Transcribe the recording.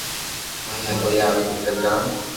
ھمج مي ڪوئي آوي ڪيڪر ڪرو